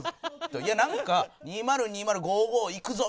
いやなんか「２０２０５５」いくぞ！